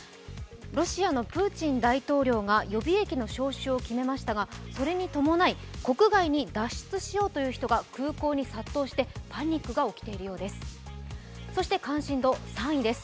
ロシアのプーチン大統領が予備役の招集を決めましたがそれに伴い、国外に脱出しようとする人が空港に殺到してパニックが起きているようです。